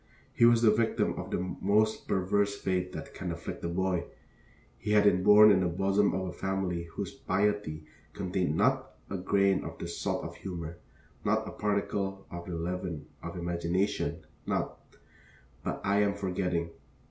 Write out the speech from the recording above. He was the victim of the most perverse fate that can afflict a boy: he had been born in the bosom of a family whose piety contained not a grain of the salt of humor, not a particle of the leaven of imagination, not But I am forgetting.